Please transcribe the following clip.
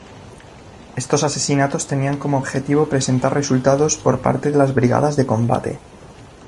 Estos asesinatos tenían como objetivo presentar resultados por parte de las brigadas de combate.